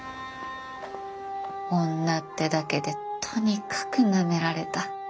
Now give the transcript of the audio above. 女ってだけでとにかくなめられた。